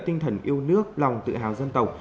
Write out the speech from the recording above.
tinh thần yêu nước lòng tự hào dân tộc